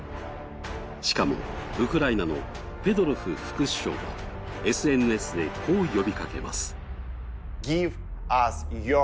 しかも、ウクライナのフェドロフ副首相は、ＳＮＳでこう呼びかけます。